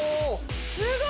すごい！